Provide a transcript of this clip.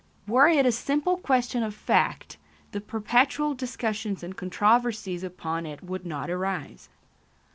Were it a simple question of fact, the perpetual discussions and controversies upon it would not arise.